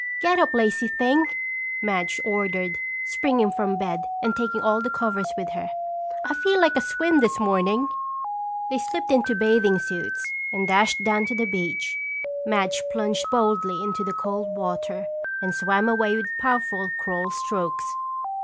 "Get up, lazy thing!" Madge ordered, springing from bed and taking all the covers with her. "I feel like a swim this morning." They slipped into bathing suits and dashed down to the beach. Madge plunged boldly into the cold water and swam away with powerful crawl strokes.